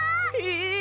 え！